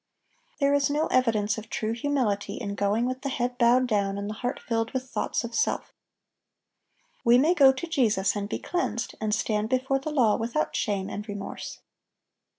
There is no evidence of true humility in going with the head bowed down and the heart filled with thoughts of self. We may go to Jesus and be cleansed, and stand before the law without shame and remorse.